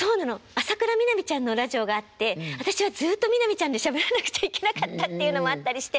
浅倉南ちゃんのラジオがあって私はずっと南ちゃんでしゃべらなくちゃいけなかったっていうのもあったりして。